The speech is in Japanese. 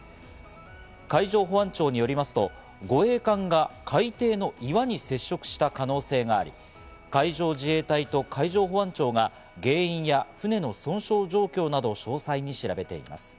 海上保安庁によりますと、護衛艦が海底の岩に接触した可能性があり、海上自衛隊と海上保安庁が原因や船の損傷状況など、詳細に調べています。